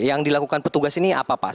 yang dilakukan petugas ini apa pak